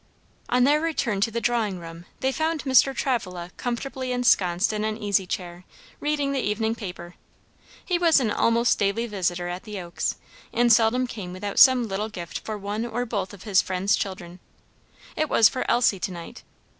On their return to the drawing room they, found Mr. Travilla comfortably ensconced in an easy chair, reading the evening paper. He was an almost daily visitor at the Oaks, and seldom came without some little gift for one or both of his friend's children. It was for Elsie to night.